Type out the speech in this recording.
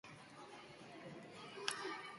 Ondoko gelatik amak aitaren erreakzioa entzun zuen.